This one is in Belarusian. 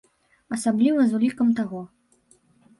Асабліва з улікам таго.